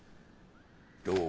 どう？